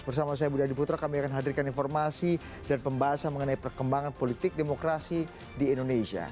bersama saya budi adiputro kami akan hadirkan informasi dan pembahasan mengenai perkembangan politik demokrasi di indonesia